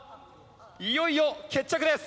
いよいよ決着です。